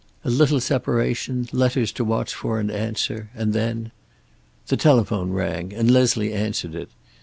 A little separation, letters to watch for and answer, and then The telephone rang, and Leslie answered it.